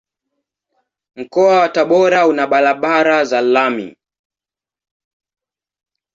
Mkoa wa Tabora una barabara za lami.